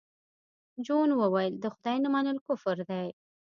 جون وویل د خدای نه منل کفر دی